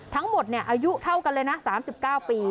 ทั้งหมดอายุเท่ากันเลยนะ๓๙ปี